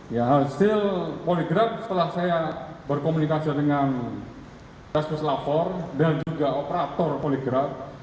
ya hasil poligraf setelah saya berkomunikasi dengan tes keselafor dan juga operator poligraf